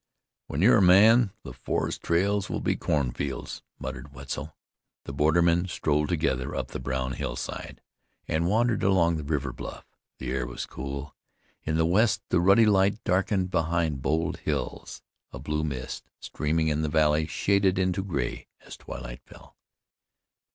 "When you're a man the forest trails will be corn fields," muttered Wetzel. The bordermen strolled together up the brown hillside, and wandered along the river bluff. The air was cool; in the west the ruddy light darkened behind bold hills; a blue mist streaming in the valley shaded into gray as twilight fell.